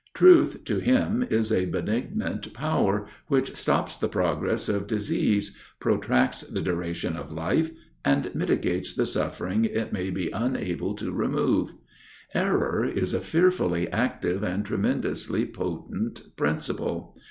Truth to him is a benignant power, which stops the progress of disease, protracts the duration of life, and mitigates the suffering it may be unable to remove: error is a fearfully active and tremendously potent principle.